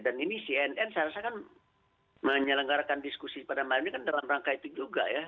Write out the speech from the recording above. dan ini cnn saya rasa kan menyelenggarakan diskusi pada malam ini kan dalam rangka itu juga ya